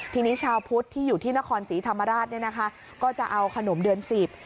ทีนี้ชาวพุทธที่อยู่ที่นครศรีธรรมราชเนี่ยนะคะก็จะเอาขนมเดือนสิบ